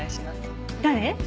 誰？